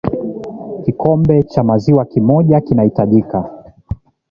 kikombe cha maziwa kimoja kitahitajika